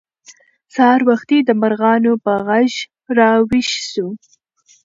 سهار وختي د مرغانو په غږ راویښ شوو.